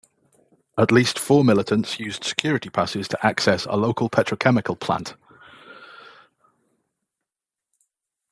At least four militants used security passes to access a local petrochemical plant.